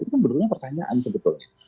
itu kan benar benar pertanyaan sebetulnya